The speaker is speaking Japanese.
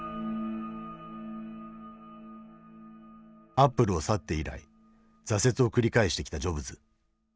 アップルを去って以来挫折を繰り返してきたジョブズ。